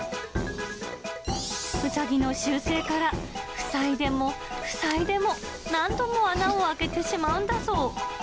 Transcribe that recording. うさぎの習性から、塞いでも塞いでも、何度も穴を開けてしまうんだそう。